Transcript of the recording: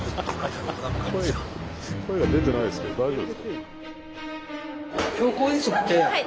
声が出てないですけど大丈夫？